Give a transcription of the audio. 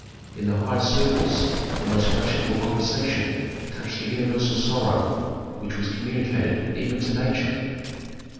In the highest circles the most fashionable conversation touched the universal sorrow, which was communicated even to nature.